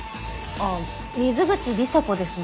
ああ水口里紗子ですね。